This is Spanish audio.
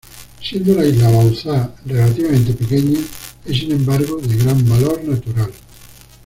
Siendo la isla Bauzá relativamente pequeña, es, sin embargo, de gran valor natural.